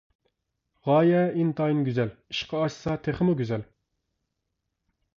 غايە ئىنتايىن گۈزەل، ئىشقا ئاشسا تېخىمۇ گۈزەل!